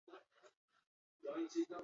Umetan hasi zen igeriketan gailentzen.